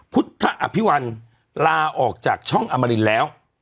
พุทธอภิวัลลาออกจากช่องอมรินแล้ว